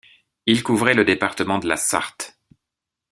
Il couvrait le département de la Sarthe.